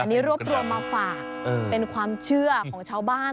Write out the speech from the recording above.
อันนี้รวบรวมมาฝากเป็นความเชื่อของชาวบ้าน